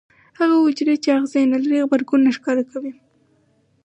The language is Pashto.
هغه حجرې چې آخذې نه لري غبرګون نه ښکاره کوي.